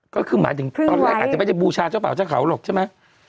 ก็คือหมายถึงตอนแรกอาจจะไม่ได้บูชาเจ้าบ่าวเจ้าเขาหรอกใช่ไหม